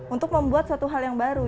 untuk membuat suatu hal yang baru